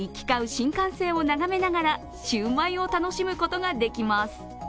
新幹線を眺めながらシウマイを楽しむことができます。